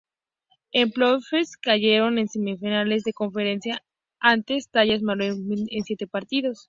En playoffs, cayeron en Semifinales de Conferencia ante Dallas Mavericks en siete partidos.